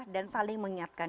dan saling mengingatkan